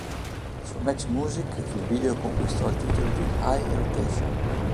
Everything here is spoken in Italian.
Su Match Music il video conquistò il titolo di "High Rotation".